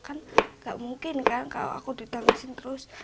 kan gak mungkin kan kalau aku ditemesin terus